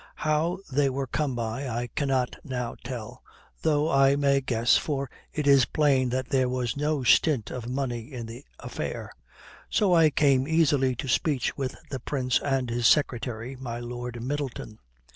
How they were come by, I cannot now tell, though I may guess, for it is plain that there was no stint of money in the affair. So I came easily to speech with the Prince and his secretary, my Lord Middleton.